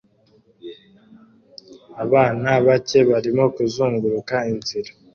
Abana bake barimo kuzunguruka inzira